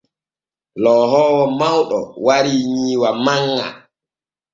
Loohoowo mawɗo warii nyiiwa manŋa.